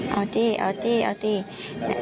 อ๋อเอาจริงเอาจริงเอาจริง